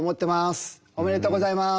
おめでとうございます。